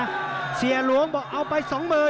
แล้วทีมงานน่าสื่อ